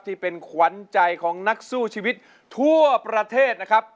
ที่เป็นขวัญใจของนักสู้ชีวิตทั่วประเทศนะครับ